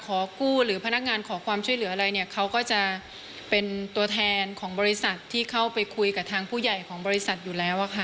ขอกู้หรือพนักงานขอความช่วยเหลืออะไรเนี่ยเขาก็จะเป็นตัวแทนของบริษัทที่เข้าไปคุยกับทางผู้ใหญ่ของบริษัทอยู่แล้วอะค่ะ